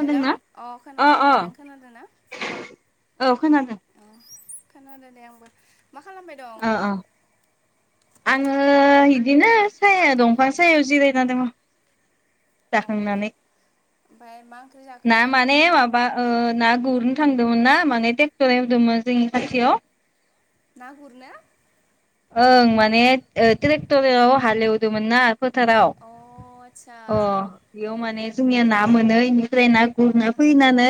Hello अ खोनादों दे नों खोनादों ना औ खोनादों अ खोनादों दे आंबो मा खालामबाय दं आंङो इदिनो साया दंफां सायाव जिरायना दंङ अ ओमफ्राय जाखांनानै मा ओंख्रि जाखो ना माने माबा ओ ना गुरनो थांदोंमोन ना माने ट्रेक्टर एवदोंमोन जोंनि खाथियाव नागुरनो ओं माने ट्रेक्टराव हालेवदोंमोन ना फोथाराव अ आतसा अ बेयाव माने जोंनिया ना मोनो इनिफ्राय ना मा गुरनो फैनानै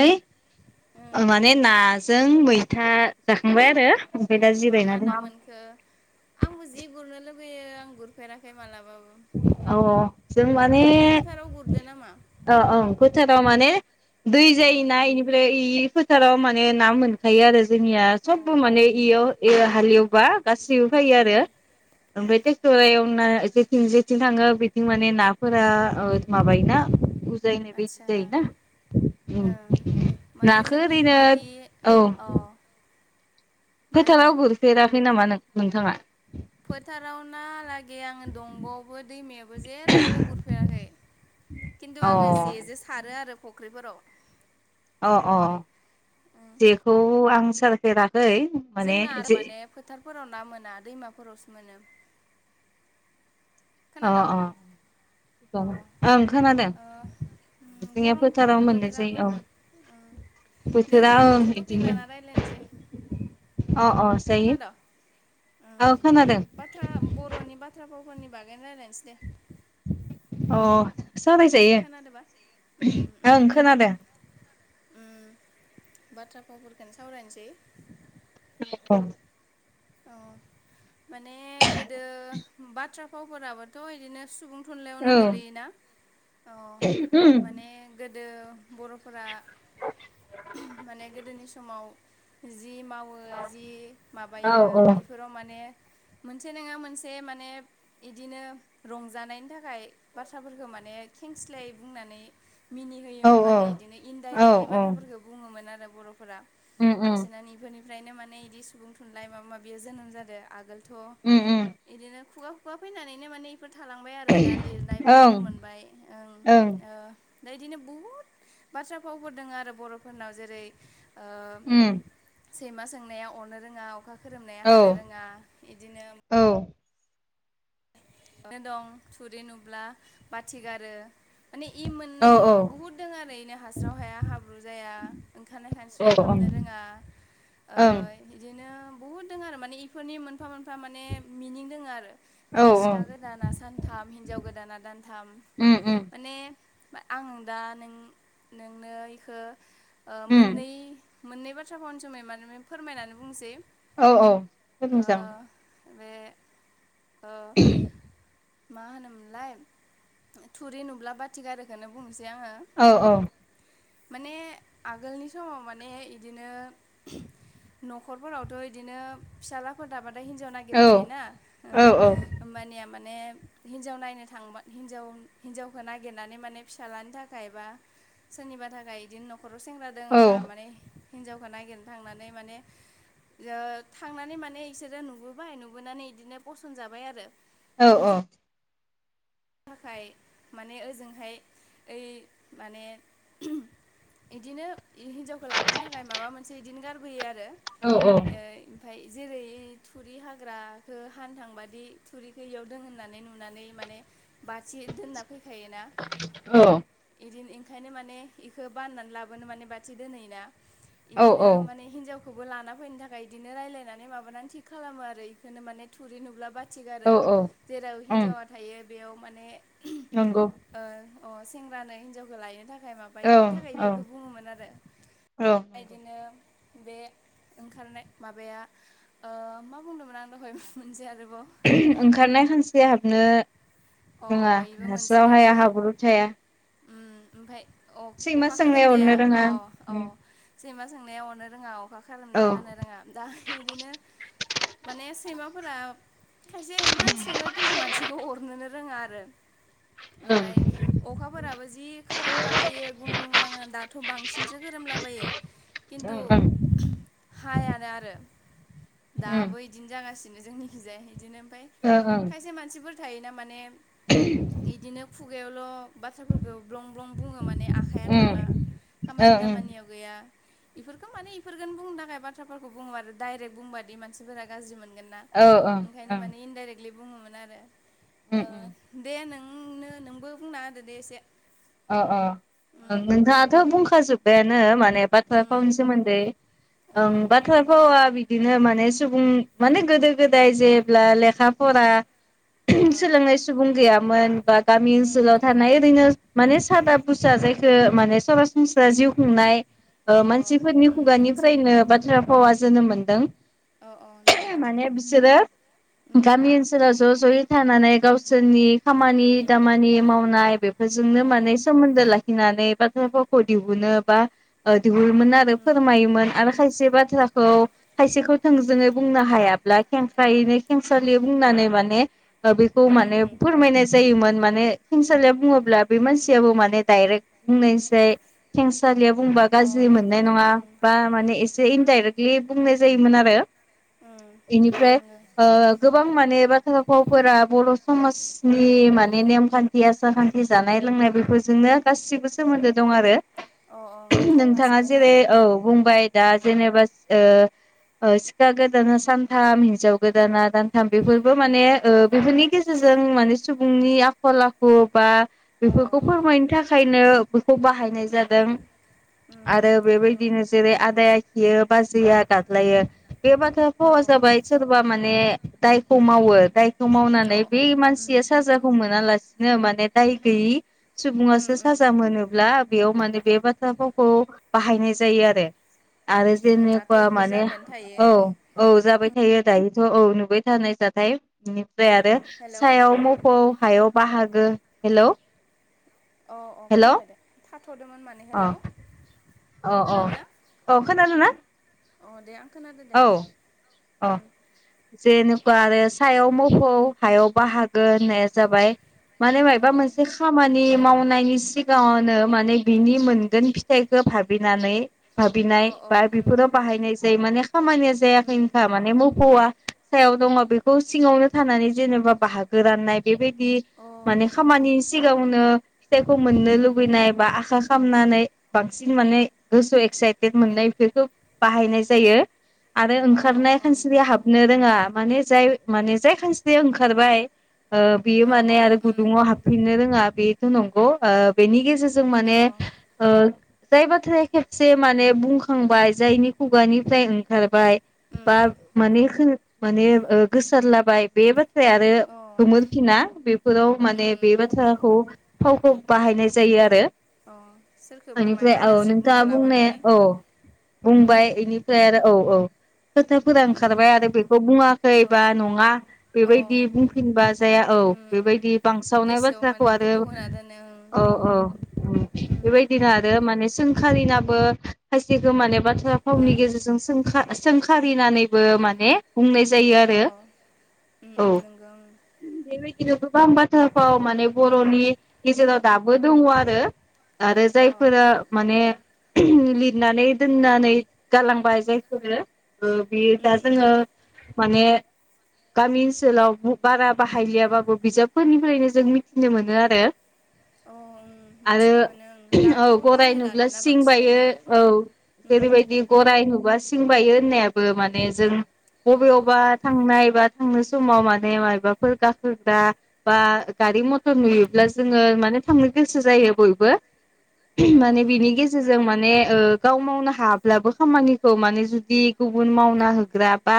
ओं माने नाजों मैथा जाखांबाय आरो ओमफ्राय दा मा मा जिरायना ना दं मोनखो आंबो जि गुरनो लुुबैयो आं गुरफेराखै मालाबाबो औ जों माने फोथाराव गुरदो नामा औ औ फोथाराव माने दै उम जायोना इनिफ्राय इ फोथाराव माने ना मोनखायो आरो जोंनिया अ सबबो माने इयाव हालेवबा गासैबो फायो उम आरो ओमफाय टे फै एवना जेथिं जेथिं थांङो बिथिं माने नाफोरा ओ माबायोना जाय बेदि जायो ना ओ माने जोंनिखि ओरैनो इदि औ अ मा होनदो फोथाराव गुरफेराखै नामा नों-नोंथाङा फोथाराव नालागै आंङो दंग'आवबो दैमायाबो जेरावबो गुरफेराखै खिन्थु अ आंङो जेजों सारो आरो फुख्रिफोराव अ अ जेखौ आं सारफेरा जोंना आरो माने फोथारफोराव ना मोना दैमाफोरावसो मोनो अ खोनादों अ अ ओ ओं खोनादों जोंनिया गरमथार फोथाराव मोननाय जायो बोथोराबो औ दे बोथोरा जोंहा ओं मोनसे टपिक बिदिनो लाना रायज्लायनोसै अ अ जायो खोनाद ओं औ खोनादों बाथ्रा बर'नि बाथ्रा थ्रगनि बागैयनो रायलायनोस दे अ सावराय जायो खोनादोंबा ओं खोनादों बाथ्रा फावफोरखौनो सावरायनोसै अ औ माने गोदो बाथ्रा फावफोराबोथ' बिदिनो सुबुं औ थुनलाइयावनो गोलैयोना अ माने गो दो बर'फोरा माने गोदोनि समाव जि मावो जि औ बियो इफोराव माने मोनसे नंङा मोनसे माने इदिनो रंजानायनि थाखाय बाथ्राफोरखौ मा माने खेंस्लाय बुंनानै मिनि औ होयोमोन माने बिदिनो औ इनडाइरेक्टलि औ बाथ्राफोरखौ बुङोमोन आरो बर'फोरा उम उम बांसिनानो बेफोरनिफ्रायनो माने बिदि सुबुं थुनलाइ माबा माबि जोनोम जादों आगोल थ' उम उम इदिनो खुगा खुगा फैनानैनो माने बेफोर थालांबाय आरो दा लिरनायबो ओं महर मोनबाय ओं ओ दा इदिनो बहुत बाथ्रा फावफोर दङ आरो बर'फोरनाव जेरै ओ उम सैमा सोंनाया अनो रोङा अखा खोरोमनाया औ हानो रोङा इदिनो औ नो दं थुरि नुब्ला बाथि गारो माने इ औ मोननै बुहुद दङ आरो इनो हास्राव हाया हाब्रु जाया ओंखारनाय ओं खानस्रिया हाबनो ओं रोङा ओ इदिनो बुहुद दङ आरो माने बेफोरनि मोनफा मोनफा माने मिनिं दङ आरो औ सिखा गोदाना सानथाम हिनजाव गोदाना दानथाम उम उम माने आं दा नों नोंनो एखौ ओ उम मोननै मोननै बाथ्राखौनो जोंङै [inaudible] मान फोरमायनानै बुंनोसै औ औ जोबोर मोजां बे [inaudible] मा होनोमोनलाय थुरि नुब्ला बाथि गारोखोनो बुंनोसै सै आङो औ माने आगोलनि समाव माने इदिनो न'खरफोरावथ' इदिनो फिसाज्लाफोर दाबा आरो हिन्जाव औ नागिरखायोना औ ओं होमबानिया माने हिनजाव नायनो थांबा हिनजाव हिनजावखौ नागिरनानै माने फिसाज्लानि थाखाय बा सोरनिबा थाखाय बिदिनो न'खराव सेंग्रा दोङोबा माने हिनजावखौ नागिरनो थांनानै माने थांनानै माने बिसोरो नुबोबाय नुबोनानै बिदिनो फसन जाबाय आरो औ औ फसन थाखाय माने ओजोंहाय ओइ माने ‌ बिदिनो हिनजावखौ लाबोनो थाखाय माबा मोनसे बिदिनो गारबोयो आरो ओमफाय जेरै थुरि हाग्राखौ हानथांबादि थुरिखौ इयाव दं होननानै नुनानै माने [inaudible] बाथि दोनना फैखायोना इदिनो ओंखायनो माने बेखौ बाननानै लाबोनो माने बाथि दोनहोयोना औ इदिनो औ माने हिनजाव खौबो लाना फैनो थाखाय बिदिनो रायजलायनानै माबानानै थिग खालामो आरो बेखौनो माने थुरि नुब्ला बा थि औ गारो जेराव ओं हिनजावा थायो बेयाव माने नंगौ अ सेंग्रानो हिन्जावखौ लायनो थाखाय थाखाय माबायो औ इनि थाखाय औ बेफोरखौ बुङोमोन आरो औ नंगौ। इदिनो बे ओंखारनाय माबाया ओ मा बुंदोंमोन आं दहाय मोनसे आरो ओंखारनाय खानस्रिआ हाबनो अ जोङो इबो मोनसे हास्रावहाया ओमफ्राय हाब्रु थाया [inaudible] उम ओमफ्राय सैमा अखा सोंनाया खोरोमनाया अरनो अ रोङा अ सैमा सोंनाया अरनो रोङा अखा औ खारोमनाया हानो रोङा दा बिदिनो माने सैमाफोरा खायसे इमान सोङो खिन्थु मानसिखौ अरनोनो रोङा आरो ओं ओमफ्राय अखाफोराबो जि खोरोमलाबायो गुंग्रुं गांग्रां दाथ' बांसिनसो खोरोमलाबायो खिन्थु ओं ओं हायानो आरो उम दाबो इदिनो जागासिनो जोंनि थिंजाय इदिनो ओमफ्राय ओ ओं खायसे मानसिफोर थायोना माने इदिनो खुगायावल' बाथ्राफोरखौ ब्लं ब्लं बुङो माने आखाइया उम थाङा ओ खामानि ओं दामानियाव गैया इफोरखोन माने इफोरखोननो बुंनो थाखाय बाथ्राफोरखौ बुङोबाथ' डायरेक्ट बुंबादि मानसिफोरा गाज्रि मोन मोनगोन ना औ ओं ओंखायनो ओं माने इनडायरेक्टलि बुङोमोन आरो उम ओ उम दे नों ओं नो नोंबो बुंना होदो दे एसे ओ ओ उम नोंथाङाथ' बुंखाजोब्बायानो माने बाथ्रा उम फावनि सोमोन्दै अ ओं बाथ्रा फावा बि बिदिनो माने सुबुं माने गोदो गोदाय जेब्ला लेखा फरा औ सोलोंनाय सुबुं गैयामोन बा गामि उम ओनसोलाव थानाय ओरैनो माने सादा बुजा जायखौ माने सरासनस्रा जिउ खुंनाय ओ अ मानसिफोरनि उम आतसा खुगानिफ्रायनो बाथ्रा फावा जोनोम मोनदों अ अ नंगौ नंगौ माने उम बिसोरो उम गामि ओनसोलाव ज' ज'यै थानानै गावसोरनि खामानि दामानि मावनाय बेफोर जोंनो अ माने सोमोन्दो लाखिनानै बाथ्रा फावखौ दिहुनो बा ओ दिहुनोमोन आरो उम फोरमायोमोन आरो खायसे बाथ्राखौ अ खायसेखौ थोंजोङै बुंनो हायाब्ला खेंख्रायैनो खेंसालियै बुंनानै माने ओ बैखौ उम माने उम फोरमायनाय जायोमोन माने खेंसालिया बुङोब्ला बे मानसियाबो माने डाइरेक्ट बुंनायनिसाय खेंसा सालिया बुंबा अ गाज्रि मोननाय नङा नोंगो बा माने नोंगो एसे इनडाइरेक्टलि बुंनाय जायोमोन आरो ओं इनिफ्राय नोंगो ओ गोबां माने बाथ्रा फावफोरा बर' समाजनि मा ने नेम खान्थि आसार खान्थि जानाय लोंनाय बेफोरजोंनो गासिबो सोमोन्दो दं आरो अ नोंथाङा ओंखारबाजोबो ना जेरै औ बुंबाय दा उम जेनेबा ओ ओ सिखा गोदाना सानथाम हिनजाव गोदाना दानथाम बेफोरबो माने ओ बेफोरनि गेजेरजों माने सुबुंनि आखल आखु बा अ बेफोरखौ फोरमायनो थाखाय नो बेखौ बाहायनाय उम जादों ‌ उम आरो नोंगो बेबायदिनो जेरै आदाया खियो बाजैया गादलायो बे बाथ्रा फावा ओं जाबाय सोरबा माने दायखौ मावो दाय खौ औ मावनानै बे उम मानसिया उम साजाखौ मोनालासिनो माने दाय गैयि सुबुंआसो उम साजा मोनोब्ला बेयाव माने बे बाथ्रा फावखौ बाहायनाय जायो आरो आरो उम जेनेबा दाथ' इफोर माने जाबायानो थायो औ औ जाबाय थायो दायोथ' औ नुबाय थानाय जाथाय बेनिफ्राय उम आरो हेलौ सायाव मोफौ हायाव बाहागो हेलौ अ अ हेलौ खोनाबाय दे थाथ'दमोन माने अ हेलौ अ अ खोनादों ना औ खोनादों ना अ दे खोनादों दे औ अ उम जेन बा आरो सायाव मोफौ हायाव बाहागो उम होननाया जाबाय माने मायबा मोनसे औ खामानि मावनायनि सिगाङावनो माने बिनि मोनगोन फिथाइखो भाबिनानै भाबिनाय अ अ बा उम बेफोराव बाहायनाय जाय माने खामानिया उम जायाखैनोखा माने मोफौवआ सायाव दङ बेखौ सिङावनो थानानै जेनेबा बाहागो राननाय बेबायदि अ माने उम खामानि सिगाङावनो फिथाइखौ उम मोननो उम लुबैनाय बा आखा खामनानै बांसिन माने गोसोआव एक्साइटेड मोननाय बेफोरखौ बाहायनाय जायो आरो अ अ ओंखारनाय ओं खानस्रिया हाबनो रोङा माने जाय माने जाय खानस्रिया ओंखारबाय ओ बेयो अ माने अ आरो उम गुदुङाव हाबफिननो रोङा बेथ' नंगौ बेनि गेजेरजों जों औ माने ओ जाय बाथ्राया खेबसे माने बुंखांबाय जायनि खुगानिफ्राय ओं खारबाय बा उम माने माने गोसारलाबाय बे बा थ्राया आरो अ गोमोरफिना बेफोराव माने बे उम बाथ्राखौ फावखौ बाहायनाय जायो आरो अ सोरखौबा बेनिफ्राय मायबा औ गाज्रि बुंना नोंथाङा बुंनाया लाबाथाय औ उम बुंबाय बेनिफ्राय आरो औ औ खोथाफोरा उम ओंखारबाय आरो बेखौ बुङाखै अ बा नङा अ बेबायदि बुंफिनबा जाया औ उम बेबायदि बांसावनाय गोसोआव माने बाथ्राखौ आरो दुखु होना दोनो औ ओं औ उम बेबायदिनो आरो माने सोंखारिनाबो खायसेखो माने बाथ्रा हो फावनि अ गेजेरजों खा सोंखारिनानैबो माने बुंनाय जायो आरो उम औ नंगौ बेबाय दि गोबां बाथ्रा फाव माने बर'नि गेजेराव दाबो दङ' आरो आरो ओं अ जायफोरा माने लिरनानै दोननानै गालांबाय जाय फोरो ओ बे उम दा उम जोङो माने गामि ओनसोलाव बारा बाहायलियाबाबो बिजाबफोरनिफ्रायनो जों मिथिनो मोनो आरो। अ ओम आरो औ गराय नुब्ला बाहायलानोना सिं बायो बांसिनानो औ उम ओेरैबायदि गराइ नुबा सिं सिं बायो होननायाबो माने जों अ बबेयावबा थांनाय बा थांनो समाव माने मायाबाफोर गाखोग्रा बा गारि मथर नुयोब्ला जोङो माने थांनो गोसो जायो बयबो अ माने उम बिनि गेजेरजों माने ओ गाव मावनो हाब्लाबो खामानिखौ माने जुदि गुबुन मावना होग्रा बा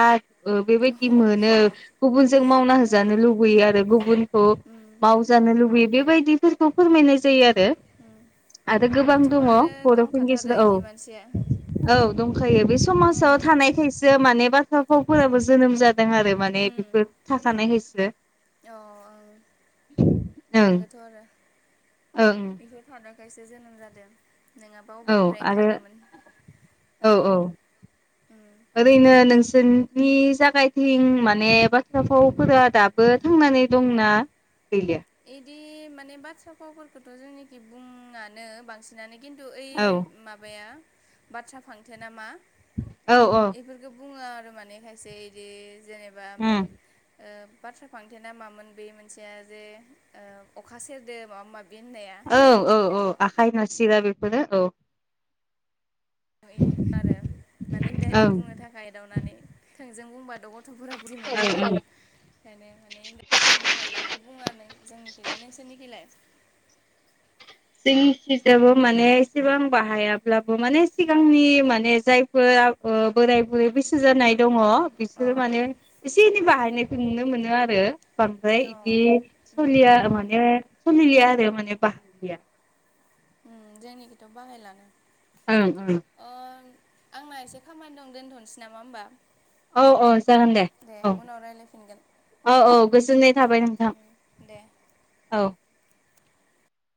ओ अ बेबायदि मोनो गुबुनजों मावना ओं होजानो लुबैयो आरो गुबुनखौ उम नंगौ मावजानो लुबैयो बेबायदिफोरखौ फोरमायनाय जायो आ रो उम आरो गोबां इथ' दङ आरो बरफोरनि दंखाथारो गेजेराव इदि मानसिया औ औ दंखायो बे समाजाव उम थानायखायसो माने बाथ्रा भावफोराबो जोनोम जाद दों आरो माने उम बेफोर थाखानायखायसो। अ ओं ओं नोंगोथ' आरो ओं बेफोर [unintelligible] खायसे जोनोम जादों। नोङाबा औ अबेनिफ्राय आरो ओंखारदोमोन ओ औ औ ओम नोंनि जागायथिं माने बाथ्रा भावफोरा दाबो थांनानै दंना गैलिया? इदि माने बाथ्रा भावफोरखौथ जोंनिखि बुङानो बांसिनानो खिन्थु ओइ औ माबाया बाथ्रा फांथे नामा? औ औ बुङो आरो माने खायसे इदि जेनेबा उम ओ बाथ्रा फांथेना मामोन बे मोनसेया जे ओ अखा सेरदो माबा माबि होननाया औ औ औ आखाइ नारसिरा बेफोरनो औ नुयो आरो माने ओं इनडाइरेक्ट ओं बुंनो थाखाय एदाउनानै थोंजों बुंबाद ग' थ' फोरा बुजि मोनगोन ना ओं ओंखायनो माने इनदारेख बुंनो थाखाय इफोरखो बुङो आरो नों जोंनिखिजाय नोंसोरनिखैलाय? [inaudible] जोंनिखिजाबो माने एसेबां बाहायाब्लाबो माने सिगांनि माने जायफोर ओ बोराय बुरै बैसो जानाय दङ अ बिसोरो माने एसे एनै बाहायनायखौ नुनो मोनो आरो। बांद्राय अ इदि उम सलिया माने सलिलिया आरो माने बाहाग गैया ओम जोंनिखैथ बाहायलानो। ओं ओ अ आंना एसे खामानि दं दोनथनोसै नामा ओमबा औ औ जागोन दे औ उनाव रायलायफिनगोन औ औ गोजोननाय थाबाय नोंथां दे औ